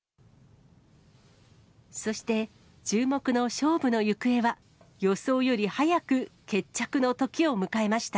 そして、注目の勝負の行方は、予想より早く決着の時を迎えました。